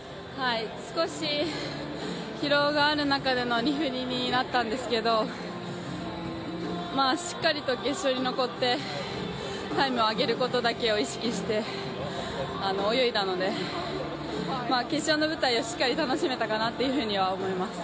少し疲労がある中での２フリになったんですけれども、しっかりと決勝に残って、タイムを上げることだけを意識して泳いだので決勝の舞台をしっかり楽しめたかなと思います。